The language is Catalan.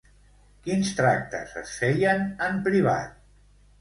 Quins tractes es feien en privat?